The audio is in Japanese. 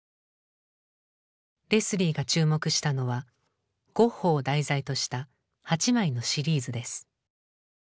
レスリーが注目したのはゴッホを題材とした８枚のシリーズです。